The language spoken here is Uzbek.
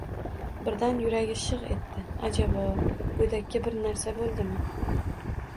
Birdan yuragi shig' etdi. Ajabo, go'dakka bir narsa bo'ldimi?